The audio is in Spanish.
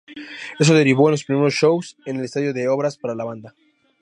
Eso derivó en los primeros shows en el estadio de Obras para la banda.